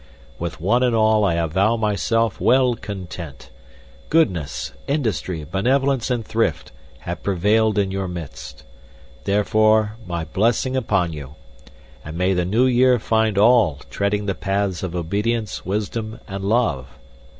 "With one and all I avow myself well content. Goodness, industry, benevolence, and thrift have prevailed in your midst. Therefore, my blessing upon you and may the new year find all treading the paths of obedience, wisdom, and love.